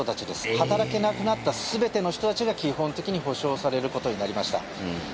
働けなくなった全ての人たちが基本的に補償されることになりました。